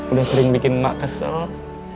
udah sering bikin emak kesel